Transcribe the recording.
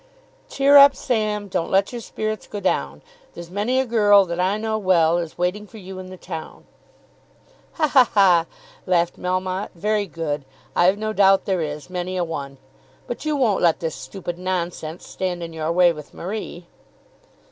"Cheer up, Sam; Don't let your spirits go down. There's many a girl that I know well, Is waiting for you in the town." "Ha, ha, ha," laughed Melmotte, "very good. I've no doubt there is, many a one. But you won't let this stupid nonsense stand in your way with Marie."